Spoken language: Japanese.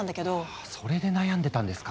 あそれで悩んでたんですか。